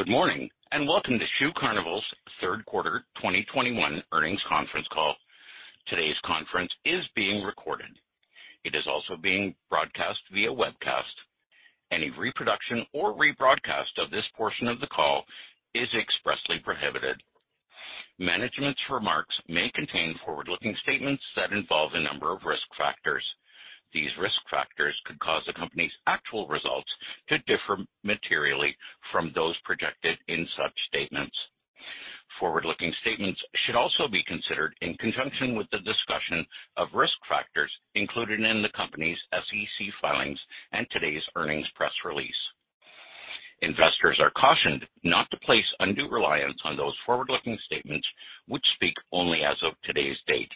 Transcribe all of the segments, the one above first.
Good morning, and Welcome to Shoe Carnival's Third Quarter 2021 Earnings Conference Call. Today's conference is being recorded. It is also being broadcast via webcast. Any reproduction or rebroadcast of this portion of the call is expressly prohibited. Management's remarks may contain forward-looking statements that involve a number of risk factors. These risk factors could cause the company's actual results to differ materially from those projected in such statements. Forward-looking statements should also be considered in conjunction with the discussion of risk factors included in the company's SEC filings and today's earnings press release. Investors are cautioned not to place undue reliance on those forward-looking statements, which speak only as of today's date.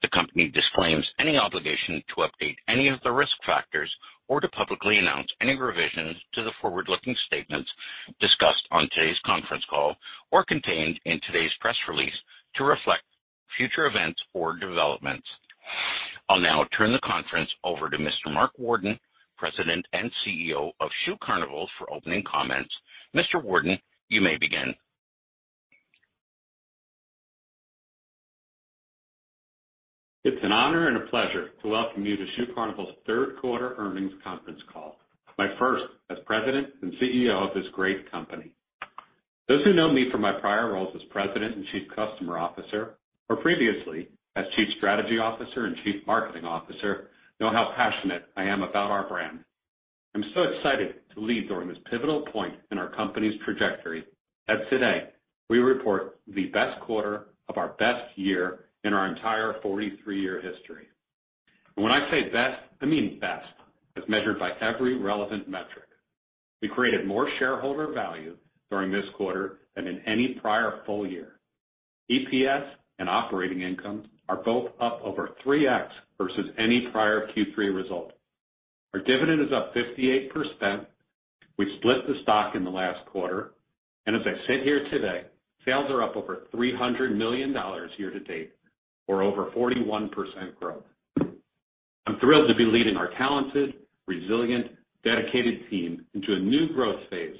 The company disclaims any obligation to update any of the risk factors or to publicly announce any revisions to the forward-looking statements discussed on today's conference call or contained in today's press release to reflect future events or developments. I'll now turn the conference over to Mr. Mark Worden, President and CEO of Shoe Carnival, for opening comments. Mr. Worden, you may begin. It's an honor and a pleasure to welcome you to Shoe Carnival's third quarter earnings conference call, my first as President and CEO of this great company. Those who know me from my prior roles as President and Chief Customer Officer or previously as Chief Strategy Officer and Chief Marketing Officer know how passionate I am about our brand. I'm so excited to lead during this pivotal point in our company's trajectory as today we report the best quarter of our best year in our entire 43-year history. When I say best, I mean best as measured by every relevant metric. We created more shareholder value during this quarter than in any prior full year. EPS and operating income are both up over 3x versus any prior Q3 result. Our dividend is up 58%. We've split the stock in the last quarter, and as I sit here today, sales are up over $300 million year to date or over 41% growth. I'm thrilled to be leading our talented, resilient, dedicated team into a new growth phase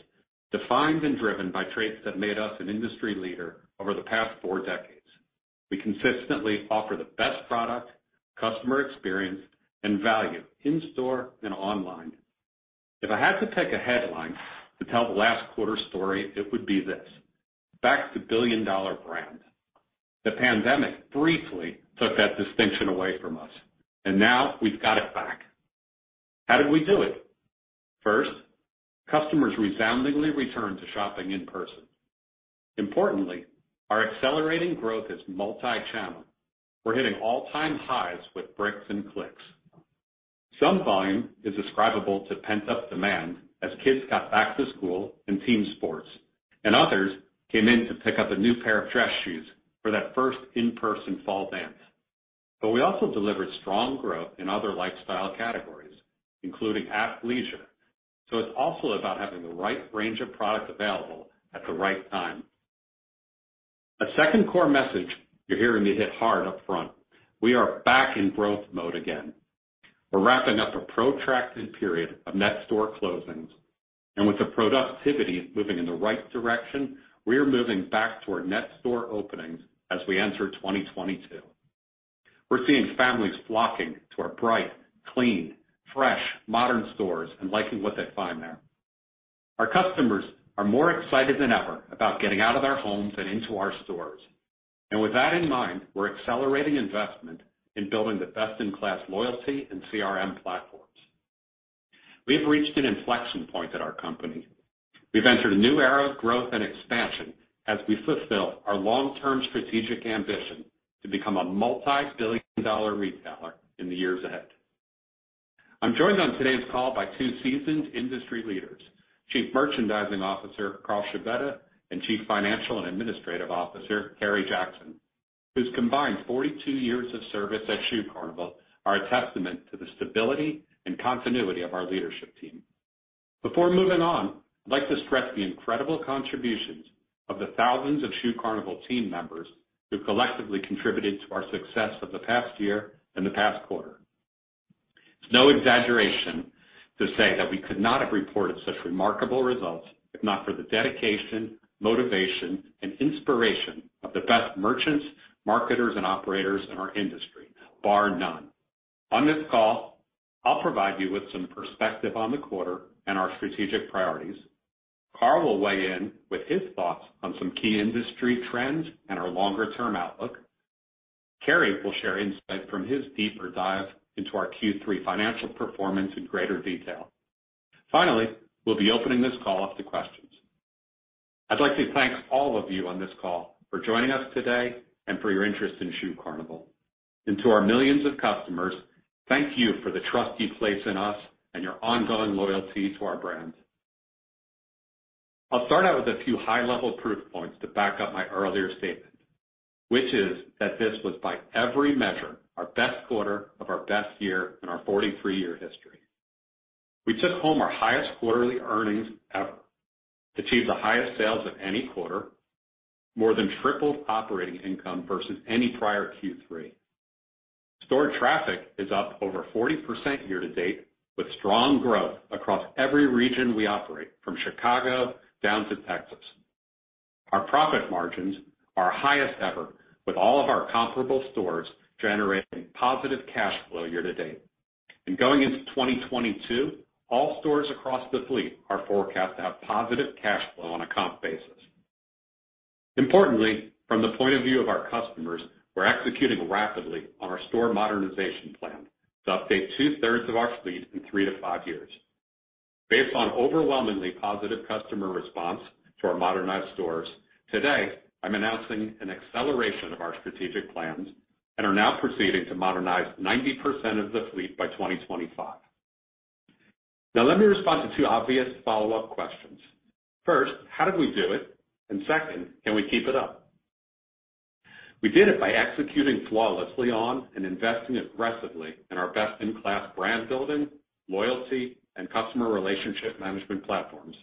defined and driven by traits that made us an industry leader over the past four decades. We consistently offer the best product, customer experience, and value in-store and online. If I had to pick a headline to tell the last quarter story, it would be this, back to billion-dollar brand. The pandemic briefly took that distinction away from us, and now we've got it back. How did we do it? First, customers resoundingly returned to shopping in person. Importantly, our accelerating growth is multi-channel. We're hitting all-time highs with bricks and clicks. Some volume is describable to pent-up demand as kids got back to school and team sports, and others came in to pick up a new pair of dress shoes for that first in-person fall dance. We also delivered strong growth in other lifestyle categories, including athleisure. It's also about having the right range of products available at the right time. A second core message you're hearing me hit hard up front, we are back in growth mode again. We're wrapping up a protracted period of net store closings, and with the productivity moving in the right direction, we're moving back toward net store openings as we enter 2022. We're seeing families flocking to our bright, clean, fresh, modern stores and liking what they find there. Our customers are more excited than ever about getting out of their homes and into our stores. With that in mind, we're accelerating investment in building the best-in-class loyalty and CRM platforms. We have reached an inflection point at our company. We've entered a new era of growth and expansion as we fulfill our long-term strategic ambition to become a multi-billion dollar retailer in the years ahead. I'm joined on today's call by two seasoned industry leaders, Chief Merchandising Officer, Carl Scibetta, and Chief Financial and Administrative Officer, Kerry Jackson, whose combined 42 years of service at Shoe Carnival are a testament to the stability and continuity of our leadership team. Before moving on, I'd like to stress the incredible contributions of the thousands of Shoe Carnival team members who collectively contributed to our success of the past year and the past quarter. It's no exaggeration to say that we could not have reported such remarkable results if not for the dedication, motivation, and inspiration of the best merchants, marketers, and operators in our industry, bar none. On this call, I'll provide you with some perspective on the quarter and our strategic priorities. Carl will weigh in with his thoughts on some key industry trends and our longer-term outlook. Kerry will share insight from his deeper dive into our Q3 financial performance in greater detail. Finally, we'll be opening this call up to questions. I'd like to thank all of you on this call for joining us today and for your interest in Shoe Carnival. To our millions of customers, thank you for the trust you place in us and your ongoing loyalty to our brands. I'll start out with a few high-level proof points to back up my earlier statement, which is that this was by every measure, our best quarter of our best year in our 43-year history. We took home our highest quarterly earnings ever, achieved the highest sales of any quarter, more than tripled operating income versus any prior Q3. Store traffic is up over 40% year to date, with strong growth across every region we operate, from Chicago down to Texas. Our profit margins are highest ever, with all of our comparable stores generating positive cash flow year to date. Going into 2022, all stores across the fleet are forecast to have positive cash flow on a comp basis. Importantly, from the point of view of our customers, we're executing rapidly on our store modernization plan to update two-thirds of our fleet in three to five years. Based on overwhelmingly positive customer response to our modernized stores, today, I'm announcing an acceleration of our strategic plans and we are now proceeding to modernize 90% of the fleet by 2025. Now, let me respond to two obvious follow-up questions. First, how did we do it? Second, can we keep it up? We did it by executing flawlessly on and investing aggressively in our best-in-class brand building, loyalty, and customer relationship management platforms.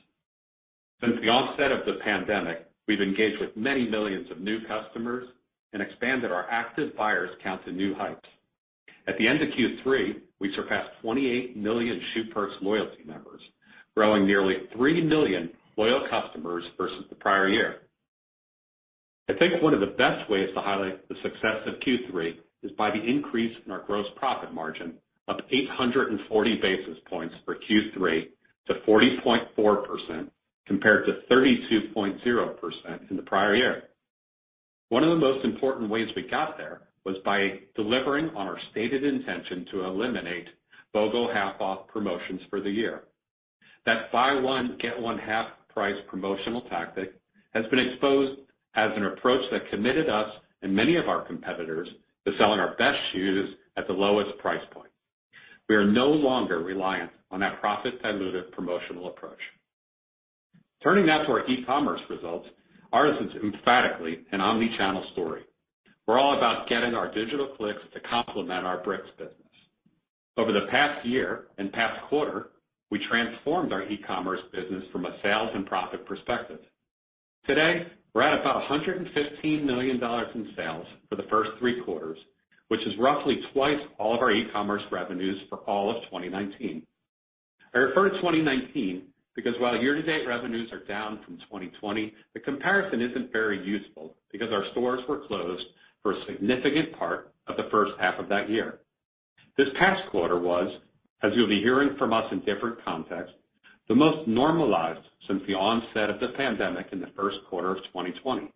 Since the onset of the pandemic, we've engaged with many millions of new customers and expanded our active buyers count to new heights. At the end of Q3, we surpassed 28 million Shoe Perks loyalty members, growing nearly 3 million loyal customers versus the prior year. I think one of the best ways to highlight the success of Q3 is by the increase in our gross profit margin of 840 basis points for Q3 to 40.4% compared to 32.0% in the prior year. One of the most important ways we got there was by delivering on our stated intention to eliminate BOGO half-off promotions for the year. That buy one, get one half price promotional tactic has been exposed as an approach that committed us and many of our competitors to selling our best shoes at the lowest price point. We are no longer reliant on that profit dilutive promotional approach. Turning now to our e-commerce results, ours is emphatically an omni-channel story. We're all about getting our digital clicks to complement our bricks business. Over the past year and past quarter, we transformed our e-commerce business from a sales and profit perspective. Today, we're at about $115 million in sales for the first three quarters, which is roughly twice all of our e-commerce revenues for all of 2019. I refer to 2019 because while year-to-date revenues are down from 2020, the comparison isn't very useful because our stores were closed for a significant part of the first half of that year. This past quarter was, as you'll be hearing from us in different contexts, the most normalized since the onset of the pandemic in the first quarter of 2020.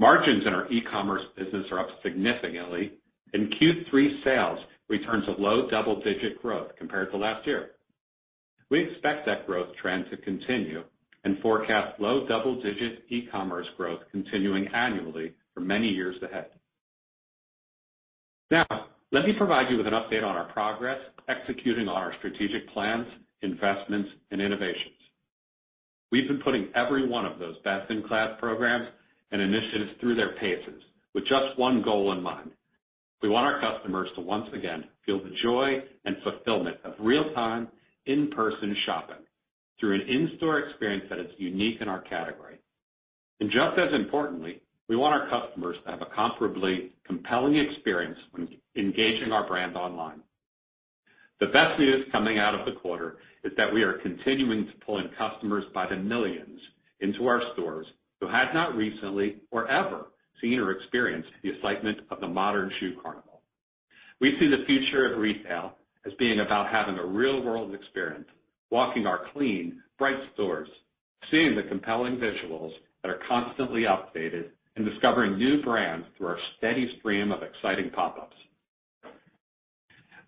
Margins in our e-commerce business are up significantly, and Q3 sales returns a low double-digit growth compared to last year. We expect that growth trend to continue and forecast low double-digit e-commerce growth continuing annually for many years ahead. Now, let me provide you with an update on our progress, executing on our strategic plans, investments, and innovations. We've been putting every one of those best-in-class programs and initiatives through their paces with just one goal in mind. We want our customers to once again feel the joy and fulfillment of real-time in-person shopping through an in-store experience that is unique in our category. And just as importantly, we want our customers to have a comparably compelling experience when engaging our brand online. The best news coming out of the quarter is that we are continuing to pull in customers by the millions into our stores who have not recently or ever seen or experienced the excitement of the modern Shoe Carnival. We see the future of retail as being about having a real-world experience, walking our clean, bright stores, seeing the compelling visuals that are constantly updated, and discovering new brands through our steady stream of exciting pop-ups.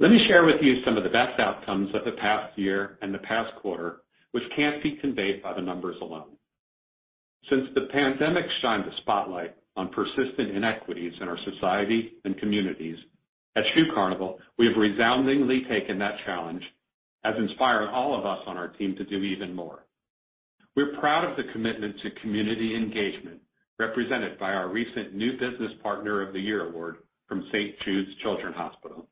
Let me share with you some of the best outcomes of the past year and the past quarter, which can't be conveyed by the numbers alone. Since the pandemic shined a spotlight on persistent inequities in our society and communities, at Shoe Carnival, we have resoundingly taken that challenge as inspiring all of us on our team to do even more. We're proud of the commitment to community engagement represented by our recent New Business Partner of the Year award from St. Jude Children's Research Hospital.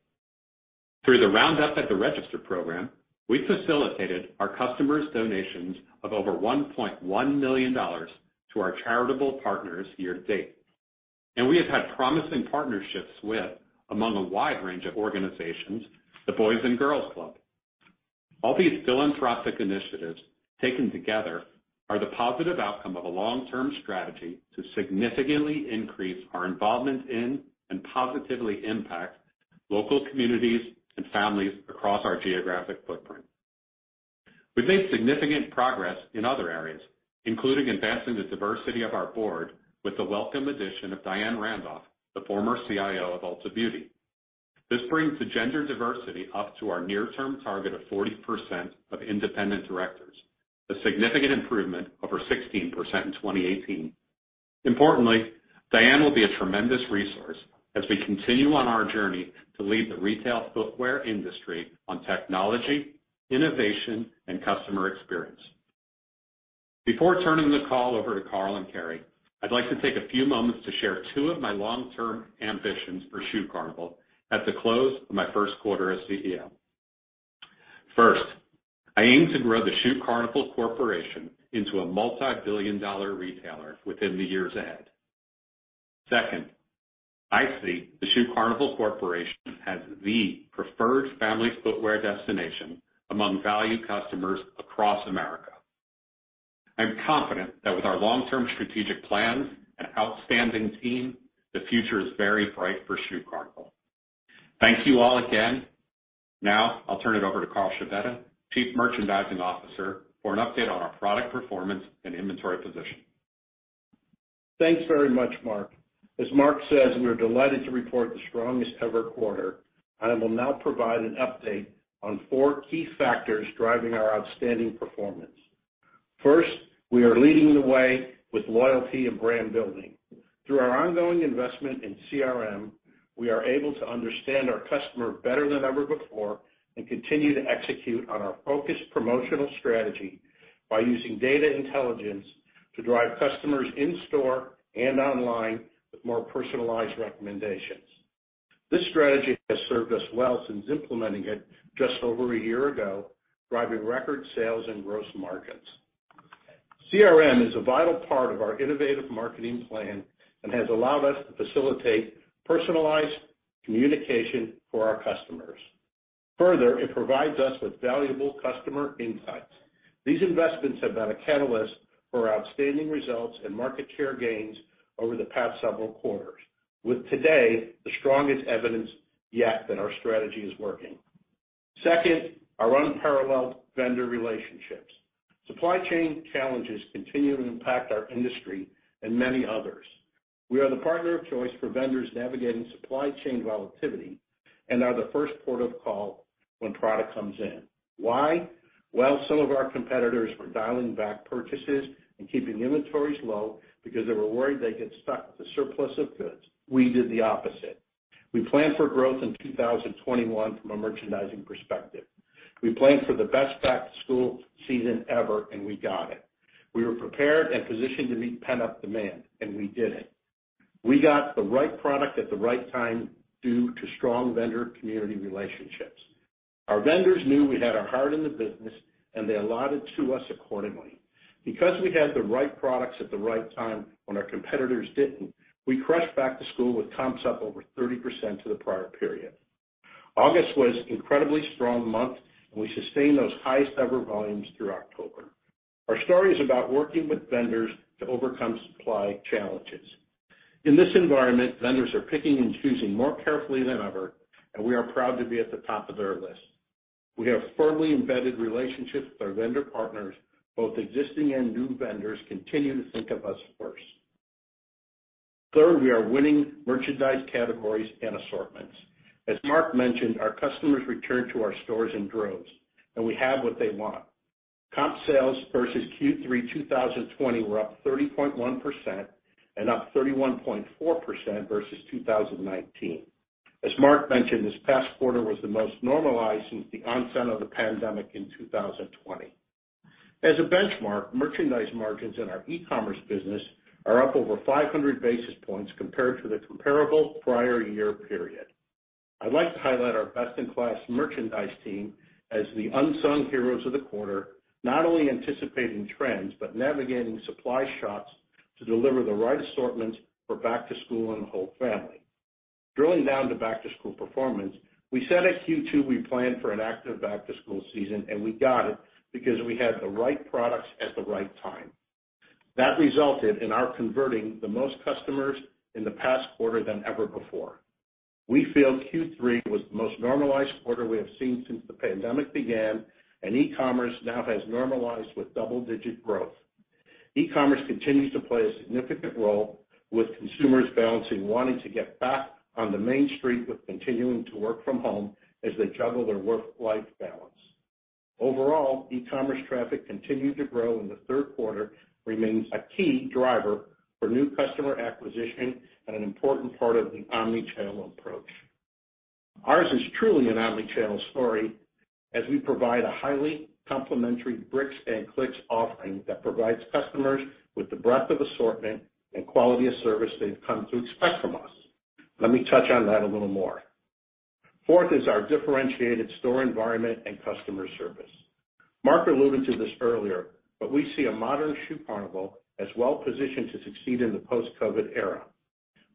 Through the Roundup at The Register program, we facilitated our customers' donations of over $1.1 million to our charitable partners year to date. We have had promising partnerships with, among a wide range of organizations, the Boys & Girls Clubs of America. All these philanthropic initiatives taken together are the positive outcome of a long-term strategy to significantly increase our involvement in and positively impact local communities and families across our geographic footprint. We've made significant progress in other areas, including investing the diversity of our board with the welcome addition of Diane Randolph, the former CIO of Ulta Beauty. This brings the gender diversity up to our near-term target of 40% of independent directors, a significant improvement over 16% in 2018. Importantly, Diane will be a tremendous resource as we continue on our journey to lead the retail footwear industry on technology, innovation, and customer experience. Before turning the call over to Carl and Kerry, I'd like to take a few moments to share two of my long-term ambitions for Shoe Carnival at the close of my first quarter as CEO. First, I aim to grow the Shoe Carnival Corporation into a multi-billion dollar retailer within the years ahead. Second, I see the Shoe Carnival Corporation as the preferred family footwear destination among value customers across America. I'm confident that with our long-term strategic plans and outstanding team, the future is very bright for Shoe Carnival. Thank you all again. Now, I'll turn it over to Carl Scibetta, Chief Merchandising Officer, for an update on our product performance and inventory position. Thanks very much, Mark. As Mark says, we are delighted to report the strongest ever quarter. I will now provide an update on four key factors driving our outstanding performance. First, we are leading the way with loyalty and brand building. Through our ongoing investment in CRM, we are able to understand our customer better than ever before and continue to execute on our focused promotional strategy by using data intelligence to drive customers in-store and online with more personalized recommendations. This strategy has served us well since implementing it just over a year ago, driving record sales and gross margins. CRM is a vital part of our innovative marketing plan and has allowed us to facilitate personalized communication for our customers. Further, it provides us with valuable customer insights. These investments have been a catalyst for outstanding results and market share gains over the past several quarters, with today the strongest evidence yet that our strategy is working. Second, our unparalleled vendor relationships. Supply chain challenges continue to impact our industry and many others. We are the partner of choice for vendors navigating supply chain volatility and are the first port of call when product comes in. Why? While some of our competitors were dialing back purchases and keeping inventories low because they were worried they'd get stuck with a surplus of goods, we did the opposite. We planned for growth in 2021 from a merchandising perspective. We planned for the best back-to-school season ever, and we got it. We were prepared and positioned to meet pent-up demand, and we did it. We got the right product at the right time due to strong vendor community relationships. Our vendors knew we had our heart in the business, and they allotted to us accordingly. Because we had the right products at the right time when our competitors didn't, we crushed back to school with comps up over 30% to the prior period. August was an incredibly strong month, and we sustained those highest ever volumes through October. Our story is about working with vendors to overcome supply challenges. In this environment, vendors are picking and choosing more carefully than ever, and we are proud to be at the top of their list. We have firmly embedded relationships with our vendor partners. Both existing and new vendors continue to think of us first. Third, we are winning merchandise categories and assortments. As Mark mentioned, our customers return to our stores in droves, and we have what they want. Comp sales versus Q3 2020 were up 30.1% and up 31.4% versus 2019. As Mark mentioned, this past quarter was the most normalized since the onset of the pandemic in 2020. As a benchmark, merchandise margins in our e-commerce business are up over 500 basis points compared to the comparable prior year period. I'd like to highlight our best-in-class merchandise team as the unsung heroes of the quarter, not only anticipating trends, but navigating supply chains to deliver the right assortments for back to school and the whole family. Drilling down to back-to-school performance, we said at Q2 we planned for an active back-to-school season, and we got it because we had the right products at the right time. That resulted in our converting the most customers in the past quarter than ever before. We feel Q3 was the most normalized quarter we have seen since the pandemic began, and e-commerce now has normalized with double-digit growth. E-commerce continues to play a significant role, with consumers balancing wanting to get back on the main street while continuing to work from home as they juggle their work-life balance. Overall, E-commerce traffic continued to grow in the third quarter, remains a key driver for new customer acquisition and an important part of the omni-channel approach. Ours is truly an omni-channel story as we provide a highly complementary bricks and clicks offering that provides customers with the breadth of assortment and quality of service they've come to expect from us. Let me touch on that a little more. Fourth is our differentiated store environment and customer service. Mark alluded to this earlier, but we see a modern Shoe Carnival as well-positioned to succeed in the post-COVID era.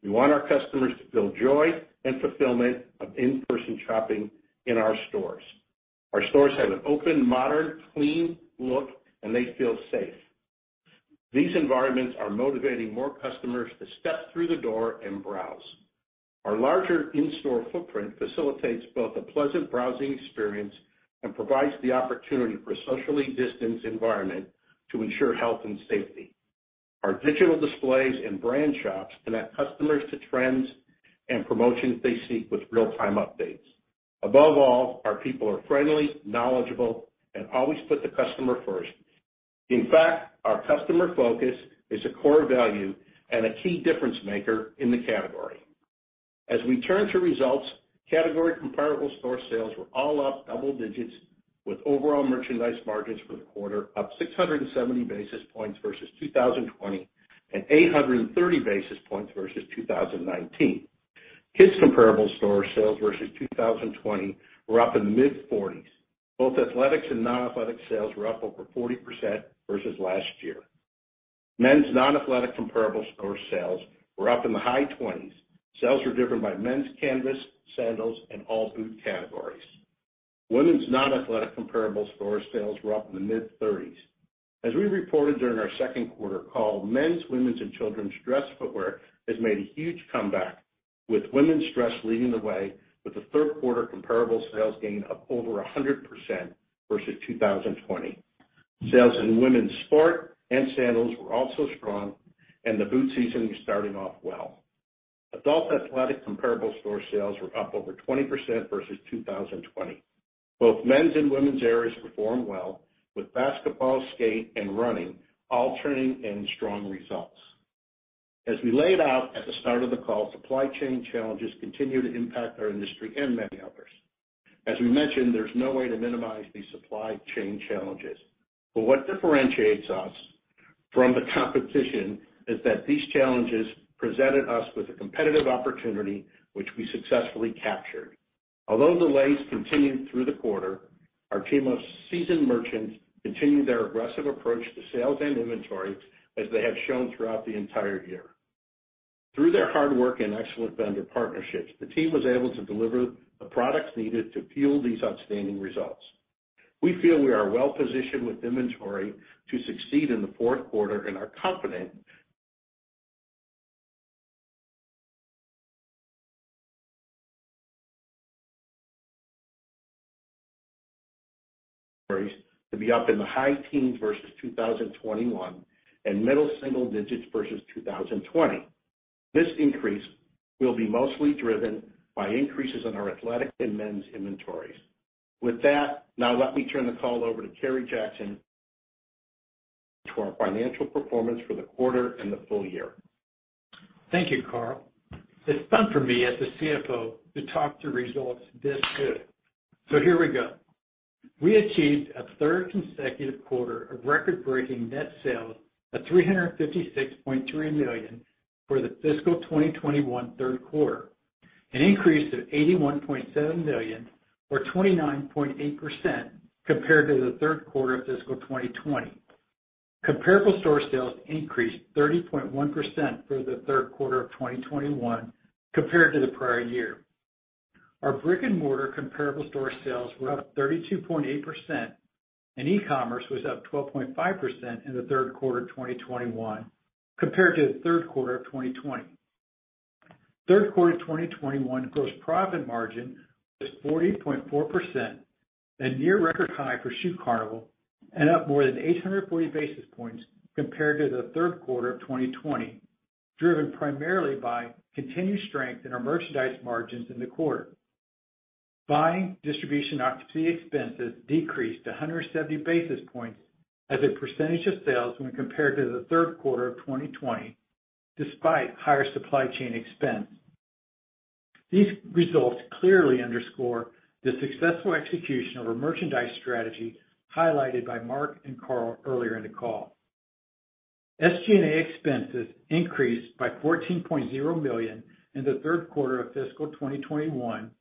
We want our customers to feel joy and fulfillment of in-person shopping in our stores. Our stores have an open, modern, clean look, and they feel safe. These environments are motivating more customers to step through the door and browse. Our larger in-store footprint facilitates both a pleasant browsing experience and provides the opportunity for a socially distanced environment to ensure health and safety. Our digital displays and brand shops connect customers to trends and promotions they seek with real-time updates. Above all, our people are friendly, knowledgeable, and always put the customer first. In fact, our customer focus is a core value and a key difference maker in the category. As we turn to results, category comparable store sales were all up double digits, with overall merchandise margins for the quarter up 670 basis points versus 2020 and 830 basis points versus 2019. Kids comparable store sales versus 2020 were up in the mid-40s. Both athletic and non-athletic sales were up over 40% versus last year. Men's non-athletic comparable store sales were up in the high 20s. Sales were driven by men's canvas, sandals, and all boot categories. Women's non-athletic comparable store sales were up in the mid-30s. As we reported during our second quarter call, men's, women's, and children's dress footwear has made a huge comeback, with women's dress leading the way with the third quarter comparable sales gain of over 100% versus 2020. Sales in women's sport and sandals were also strong, and the boot season is starting off well. Adult athletic comparable store sales were up over 20% versus 2020. Both men's and women's areas performed well, with basketball, skate, and running all turning in strong results. As we laid out at the start of the call, supply chain challenges continue to impact our industry and many others. As we mentioned, there's no way to minimize these supply chain challenges. What differentiates us from the competition is that these challenges presented us with a competitive opportunity, which we successfully captured. Although delays continued through the quarter, our team of seasoned merchants continued their aggressive approach to sales and inventory as they have shown throughout the entire year. Through their hard work and excellent vendor partnerships, the team was able to deliver the products needed to fuel these outstanding results. We feel we are well-positioned with inventory to succeed in the fourth quarter and are confident to be up in the high teens versus 2021, and middle single digits versus 2020. This increase will be mostly driven by increases in our athletic and men's inventories. With that, now let me turn the call over to Kerry Jackson for our financial performance for the quarter and the full year. Thank you, Carl. It's fun for me as the CFO to talk to results this good. Here we go. We achieved a third consecutive quarter of record-breaking net sales of $356.3 million for the fiscal 2021 third quarter, an increase of $81.7 million or 29.8% compared to the third quarter of fiscal 2020. Comparable store sales increased 30.1% for the third quarter of 2021 compared to the prior year. Our brick-and-mortar comparable store sales were up 32.8%, and e-commerce was up 12.5% in the third quarter of 2021 compared to the third quarter of 2020. Third quarter of 2021 gross profit margin was 40.4%, a near record high for Shoe Carnival, and up more than 840 basis points compared to the third quarter of 2020, driven primarily by continued strength in our merchandise margins in the quarter. Buying, distribution, occupancy expenses decreased 170 basis points as a percentage of sales when compared to the third quarter of 2020, despite higher supply chain expense. These results clearly underscore the successful execution of our merchandise strategy highlighted by Mark and Carl earlier in the call. SG&A expenses increased by $14.0 million in the third quarter of fiscal 2021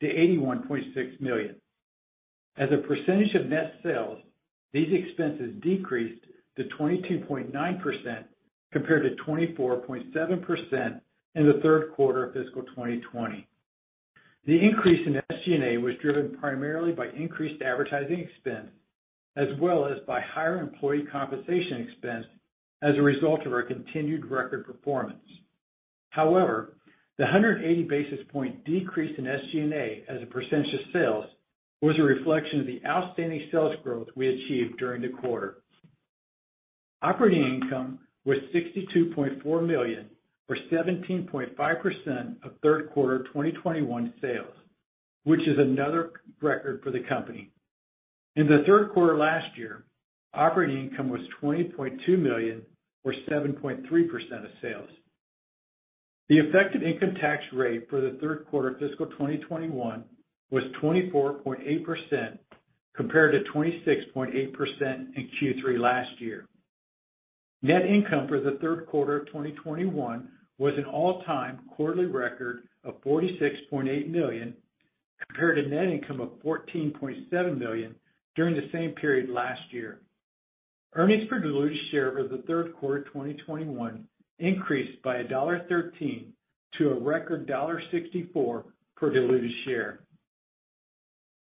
to $81.6 million. As a percentage of net sales, these expenses decreased to 22.9% compared to 24.7% in the third quarter of fiscal 2020. The increase in SG&A was driven primarily by increased advertising expense as well as by higher employee compensation expense as a result of our continued record performance. However, the 180 basis points decrease in SG&A as a percentage of sales was a reflection of the outstanding sales growth we achieved during the quarter. Operating income was $62.4 million or 17.5% of third quarter of 2021 sales, which is another record for the company. In the third quarter last year, operating income was $20.2 million or 7.3% of sales. The effective income tax rate for the third quarter of fiscal 2021 was 24.8% compared to 26.8% in Q3 last year. Net income for the third quarter of 2021 was an all-time quarterly record of $46.8 million compared to net income of $14.7 million during the same period last year. Earnings per diluted share for the third quarter of 2021 increased by $1.13 to a record $1.64 per diluted share.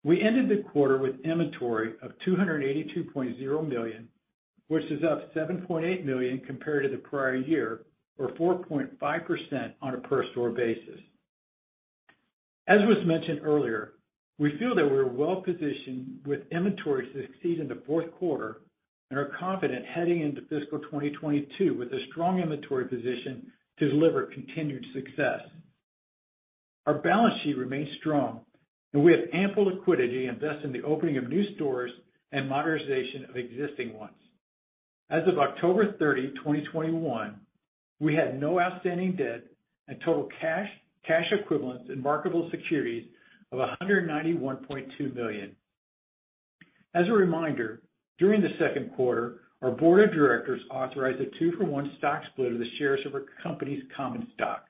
We ended the quarter with inventory of $282.0 million, which is up $7.8 million compared to the prior year or 4.5% on a per store basis. We feel that we're well-positioned with inventory to succeed in the fourth quarter and are confident heading into fiscal 2022 with a strong inventory position to deliver continued success. Our balance sheet remains strong, and we have ample liquidity to invest in the opening of new stores and modernization of existing ones. As of October 30, 2021, we had no outstanding debt and total cash equivalents, and marketable securities of $191.2 million. As a reminder, during the second quarter, our board of directors authorized a two-for-one stock split of the shares of our company's common stock.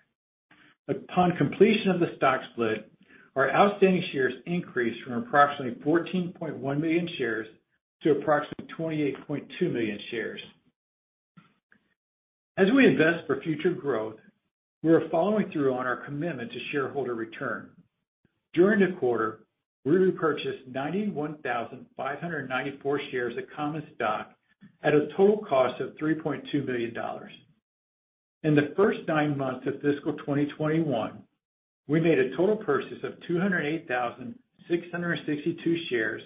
Upon completion of the stock split, our outstanding shares increased from approximately 14.1 million shares to approximately 28.2 million shares. As we invest for future growth, we are following through on our commitment to shareholder return. During the quarter, we repurchased 91,594 shares of common stock at a total cost of $3.2 billion. In the first nine months of fiscal 2021, we made a total purchase of 208,662 shares,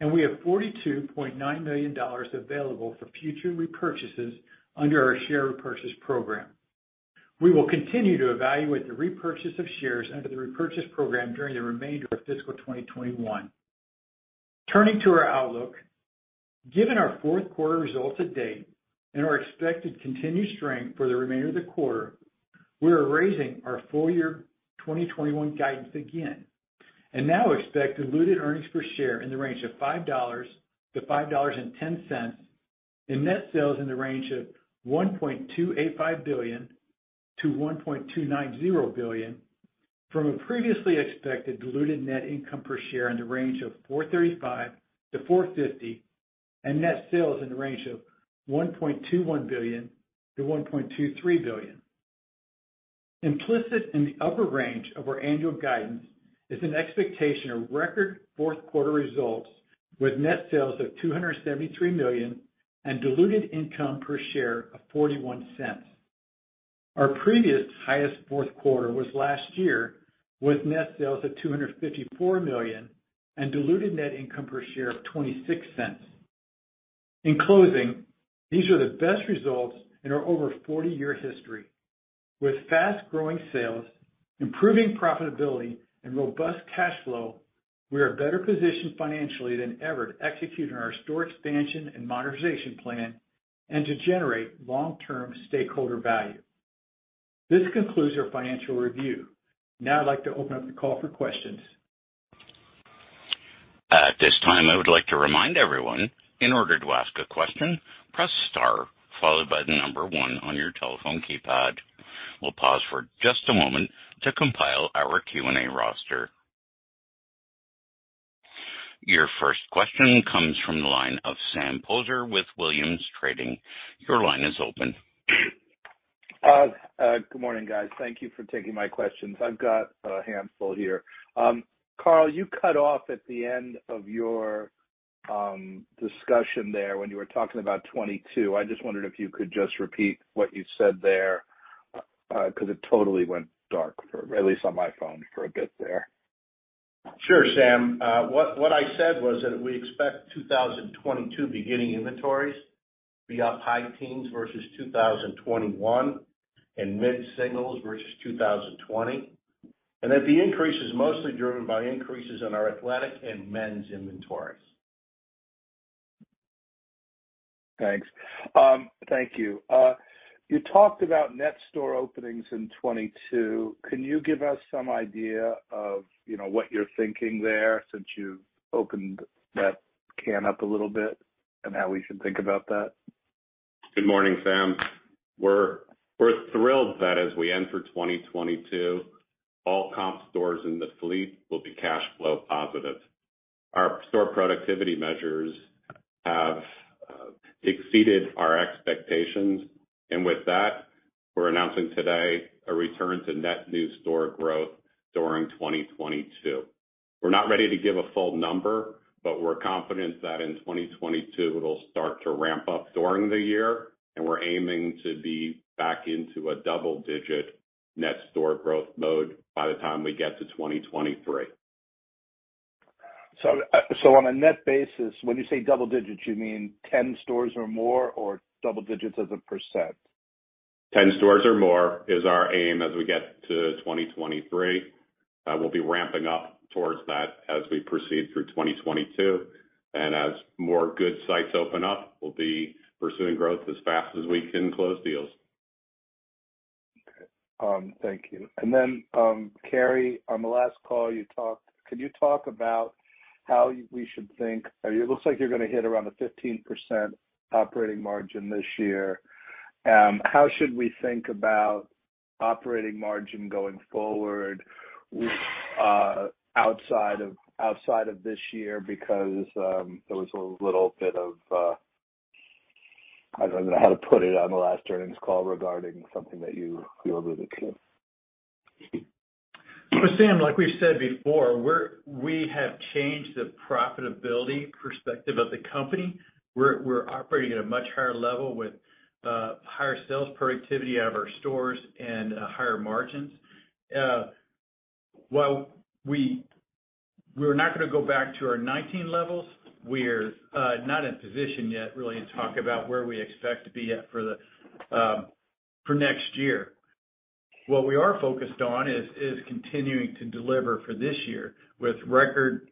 and we have $42.9 million available for future repurchases under our share repurchase program. We will continue to evaluate the repurchase of shares under the repurchase program during the remainder of fiscal 2021. Turning to our outlook. Given our fourth quarter results to date and our expected continued strength for the remainder of the quarter, we are raising our full year 2021 guidance again. We now expect diluted earnings per share in the range of $5 to $5.10, and net sales in the range of $1.285 billion to $1.290 billion from a previously expected diluted net income per share in the range of $4.35 to $4.50, and net sales in the range of $1.21 billion to $1.23 billion. Implicit in the upper range of our annual guidance is an expectation of record fourth quarter results with net sales of $273 million and diluted income per share of $0.41. Our previous highest fourth quarter was last year with net sales of $254 million and diluted net income per share of $0.26. In closing, these are the best results in our over 40-year history. With fast growing sales, improving profitability, and robust cash flow, we are better positioned financially than ever to execute on our store expansion and modernization plan and to generate long-term stakeholder value. This concludes our financial review. Now I'd like to open up the call for questions. At this time, I would like to remind everyone, in order to ask a question, press star followed by the number one on your telephone keypad. We'll pause for just a moment to compile our Q and A roster. Your first question comes from the line of Sam Poser with Williams Trading. Your line is open. Good morning, guys. Thank you for taking my questions. I've got a handful here. Carl, you cut off at the end of your discussion there when you were talking about 22. I just wondered if you could just repeat what you said there, because it totally went dark, or at least on my phone for a bit there. Sure, Sam. What I said was that we expect 2022 beginning inventories to be up high teens versus 2021 and mid-singles versus 2020. The increase is mostly driven by increases in our athletic and men's inventories. Thanks. Thank you. You talked about net store openings in 2022. Can you give us some idea of, you know, what you're thinking there since you've opened that can up a little bit and how we should think about that? Good morning, Sam. We're thrilled that as we enter 2022, all comp stores in the fleet will be cash flow positive. Our store productivity measures have exceeded our expectations. With that, we're announcing today a return to net new store growth during 2022. We're not ready to give a full number, but we're confident that in 2022, it'll start to ramp up during the year, and we're aiming to be back into a double-digit net store growth mode by the time we get to 2023. On a net basis, when you say double digits, you mean ten stores or more, or double digits as a percent? 10 stores or more is our aim as we get to 2023. We'll be ramping up towards that as we proceed through 2022. As more good sites open up, we'll be pursuing growth as fast as we can close deals. Okay. Thank you. Kerry, on the last call, can you talk about how we should think? It looks like you're gonna hit around a 15% operating margin this year. How should we think about operating margin going forward, outside of this year? Because there was a little bit of, I don't know how to put it, on the last earnings call regarding something that you alluded to. Well, Sam, like we've said before, we have changed the profitability perspective of the company. We're operating at a much higher level with higher sales productivity out of our stores and higher margins. While we're not gonna go back to our 2019 levels, we're not in position yet really to talk about where we expect to be at for next year. What we are focused on is continuing to deliver for this year with record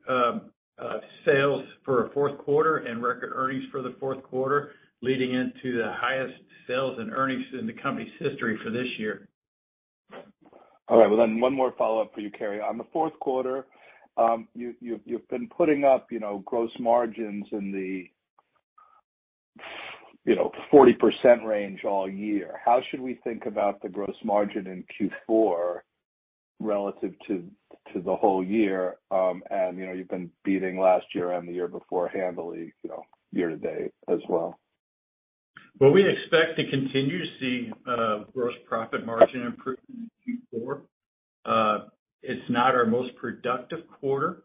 sales for a fourth quarter and record earnings for the fourth quarter, leading into the highest sales and earnings in the company's history for this year. All right. Well then one more follow-up for you, Kerry. On the fourth quarter, you've been putting up, you know, gross margins in the you know 40% range all year. How should we think about the gross margin in Q4 relative to the whole year? You know, you've been beating last year and the year before handily, you know, year to date as well. Well, we expect to continue to see gross profit margin improvement in Q4. It’s not our most productive quarter.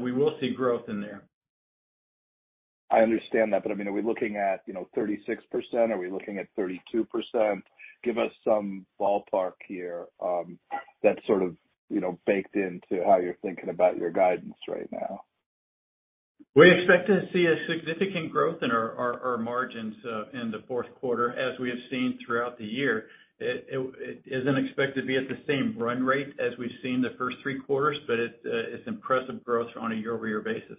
We will see growth in there. I understand that, but I mean, are we looking at, you know, 36%? Are we looking at 32%? Give us some ballpark here, that's sort of, you know, baked into how you're thinking about your guidance right now. We expect to see a significant growth in our margins in the fourth quarter, as we have seen throughout the year. It is unexpected to be at the same run rate as we've seen the first three quarters, but it's impressive growth on a year-over-year basis.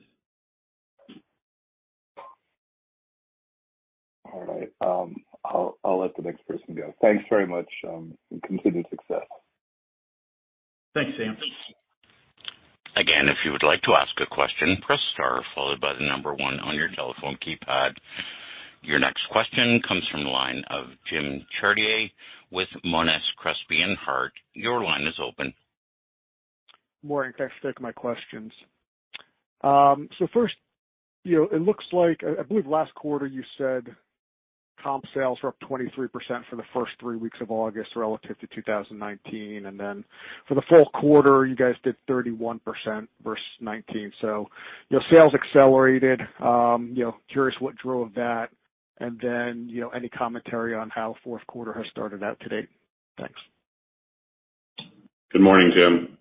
All right. I'll let the next person go. Thanks very much, and continued success. Thanks, Sam. Your next question comes from the line of Jim Chartier with Monness, Crespi, Hardt & Co. Your line is open. Morning. Thanks for taking my questions. First, you know, it looks like, I believe last quarter you said comp sales were up 23% for the first three weeks of August relative to 2019. For the full quarter you guys did 31% versus 2019. You know, sales accelerated. You know, I'm curious what drove that. You know, any commentary on how fourth quarter has started out to date? Thanks. Good morning, Jim.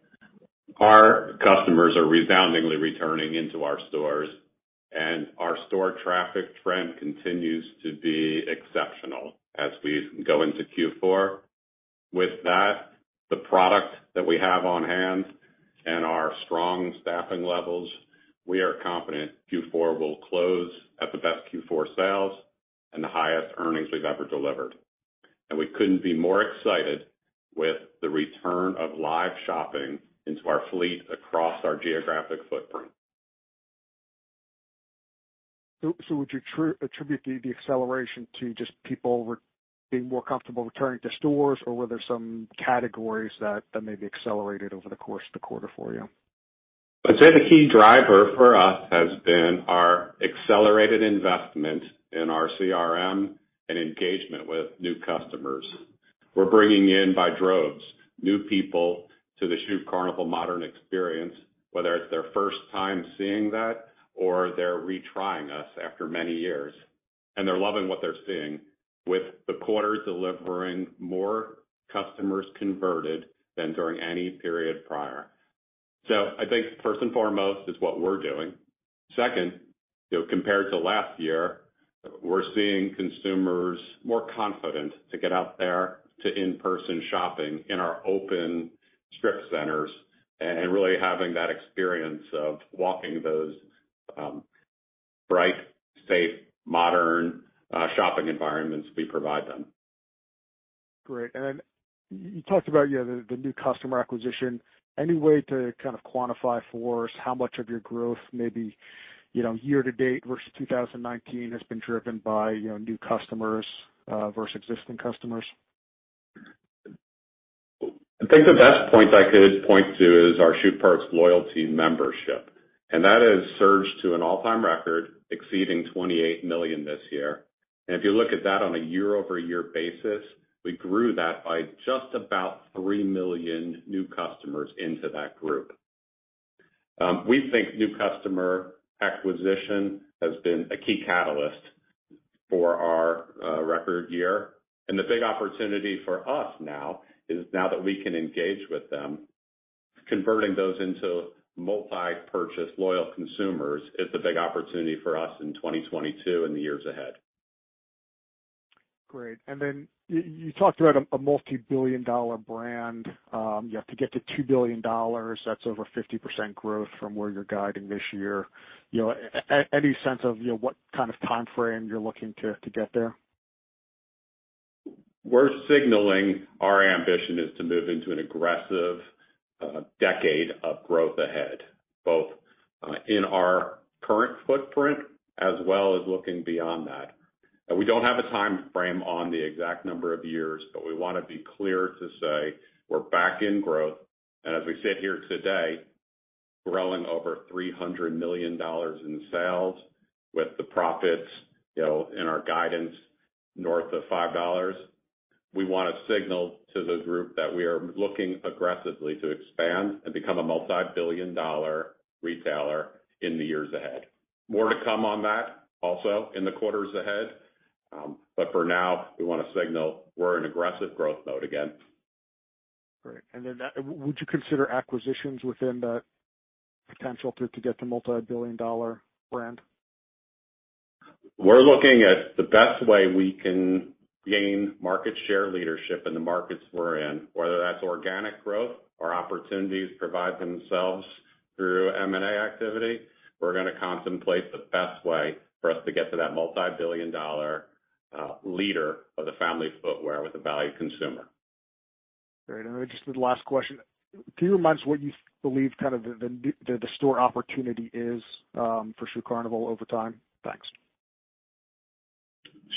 Our customers are resoundingly returning into our stores. Our store traffic trend continues to be exceptional as we go into Q4. With that, the product that we have on hand and our strong staffing levels, we are confident Q4 will close at the best Q4 sales and the highest earnings we've ever delivered. We couldn't be more excited with the return of live shopping into our fleet across our geographic footprint. Would you attribute the acceleration to just people re-being more comfortable returning to stores or were there some categories that maybe accelerated over the course of the quarter for you? I'd say the key driver for us has been our accelerated investment in our CRM and engagement with new customers. We're bringing in by droves new people to the Shoe Carnival modern experience, whether it's their first time seeing that or they're retrying us after many years, and they're loving what they're seeing with the quarter delivering more customers converted than during any period prior. I think first and foremost, it's what we're doing. Second, you know, compared to last year, we're seeing consumers more confident to get out there to in-person shopping in our open strip centers and really having that experience of walking those, bright, safe, modern, shopping environments we provide them. Great. Then you talked about, you know, the new customer acquisition. Any way to kind of quantify for us how much of your growth maybe, you know, year to date versus 2019 has been driven by, you know, new customers versus existing customers? I think the best point I could point to is our Shoe Perks loyalty membership, and that has surged to an all-time record exceeding 28 million this year. If you look at that on a year-over-year basis, we grew that by just about 3 million new customers into that group. We think new customer acquisition has been a key catalyst for our record year. The big opportunity for us now is that we can engage with them, converting those into multi-purchase loyal consumers is the big opportunity for us in 2022 and the years ahead. Great. Then you talked about a multi-billion dollar brand. You have to get to $2 billion, that's over 50% growth from where you're guiding this year. You know, any sense of, you know, what kind of timeframe you're looking to get there? We're signaling our ambition is to move into an aggressive decade of growth ahead, both in our current footprint as well as looking beyond that. We don't have a timeframe on the exact number of years, but we wanna be clear to say we're back in growth. As we sit here today, growing over $300 million in sales with the profits, you know, in our guidance north of $5, we want to signal to the group that we are looking aggressively to expand and become a multi-billion dollar retailer in the years ahead. More to come on that also in the quarters ahead. For now, we wanna signal we're in aggressive growth mode again. Great. Would you consider acquisitions within that potential to get to multi-billion-dollar brand? We're looking at the best way we can gain market share leadership in the markets we're in, whether that's organic growth or opportunities provide themselves through M&A activity. We're gonna contemplate the best way for us to get to that multi-billion dollar leader of the family footwear with the value consumer. Great. Just the last question. Can you remind us what you believe kind of the store opportunity is, for Shoe Carnival over time? Thanks.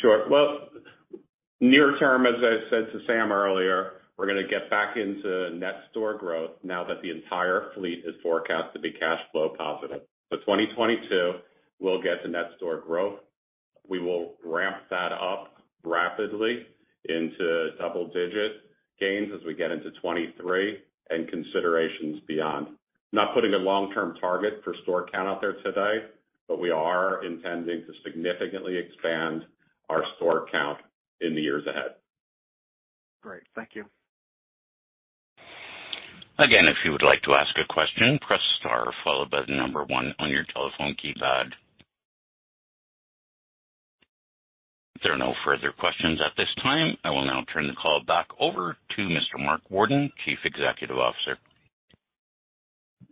Sure. Well, near term, as I said to Sam earlier, we're gonna get back into net store growth now that the entire fleet is forecast to be cash flow positive. 2022, we'll get to net store growth. We will ramp that up rapidly into double-digit gains as we get into twenty-three and considerations beyond. Not putting a long-term target for store count out there today, but we are intending to significantly expand our store count in the years ahead. Great. Thank you. Again, if you would like to ask a question, press star followed by the number one on your telephone keypad. There are no further questions at this time. I will now turn the call back over to Mr. Mark Worden, Chief Executive Officer. I'd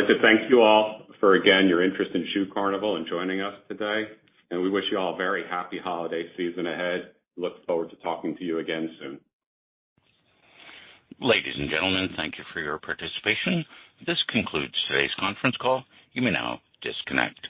like to thank you all for again your interest in Shoe Carnival and joining us today, and we wish you all a very happy holiday season ahead. I look forward to talking to you again soon. Ladies and gentlemen, thank you for your participation. This concludes today's conference call. You may now disconnect.